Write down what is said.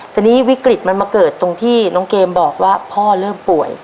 ทีนี้วิกฤตมันมาเกิดตรงที่น้องเกมบอกว่าพ่อเริ่มป่วย